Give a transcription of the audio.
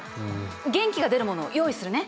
元気が出るものを用意するね。